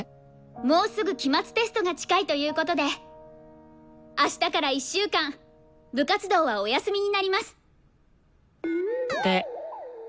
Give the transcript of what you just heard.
もうすぐ期末テストが近いということであしたから１週間部活動はお休みになります。